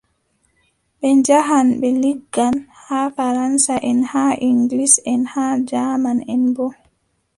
Ɓe njaahan ɓe liggan, haa faransaʼen haa iŋgilisʼen haa jaamanʼen boo .